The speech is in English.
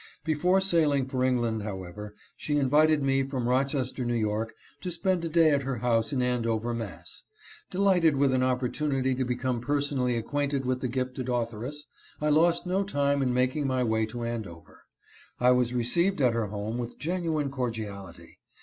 Before sailing for England, however, she invited me from Rochester, N. Y., to spend a day at her house in Andover, Mass. Delighted with an opportunity to become personally acquainted with the gifted authoress, I lost no time in making my way to Andover. I was received at her home with genuine cordiality.